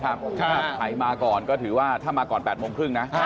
ถ้าใครมาก่อนก็ถือว่าถ้ามาก่อน๘โมงครึ่งนะ